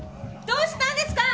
どうしたんですか？